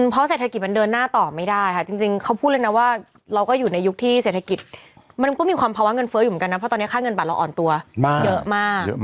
เพราะเศรษฐกิจมันเดินหน้าต่อไม่ได้ค่ะจริงเขาพูดเลยนะว่าเราก็อยู่ในยุคที่เศรษฐกิจมันก็มีความภาวะเงินเฟ้ออยู่เหมือนกันนะเพราะตอนนี้ค่าเงินบาทเราอ่อนตัวเยอะมาก